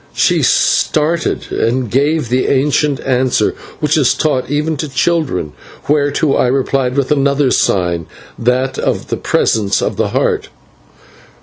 She started and gave the ancient answer, which is taught even to children, whereto I replied with another sign, that of the Presence of the Heart.